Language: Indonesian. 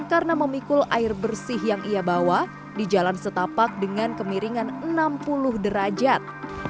karena memikul air bersih yang ia bawa di jalan setapak dengan kemiringan enam puluh derajat